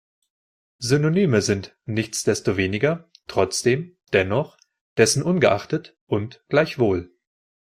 Synonyme sind "nichtsdestoweniger", "trotzdem", "dennoch", "dessen ungeachtet" und "gleichwohl".